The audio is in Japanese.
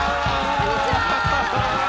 こんにちは！